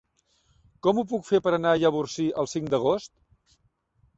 Com ho puc fer per anar a Llavorsí el cinc d'agost?